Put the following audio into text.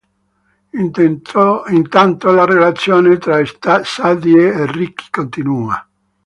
Intanto la relazione tra Sadie e Ricky continua.